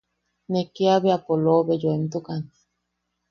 Ne kiabea polobe yoemtukan.